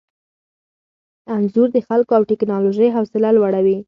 انځور د خلکو او ټیکنالوژۍ حوصله لوړوي.